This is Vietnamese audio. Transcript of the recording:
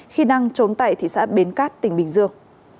khi đang trốn tại thị xã bến cát tỉnh bình dương